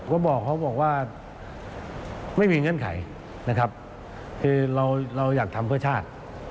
ผมก็บอกว่าไม่มีเงื่อนไขนะครับ